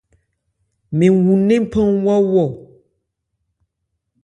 Mɛn wú ńnéphan wɔ́wɔ́.